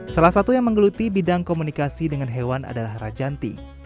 salah satu yang menggeluti bidang komunikasi dengan hewan adalah rajanti